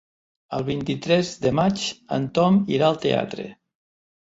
El vint-i-tres de maig en Tom irà al teatre.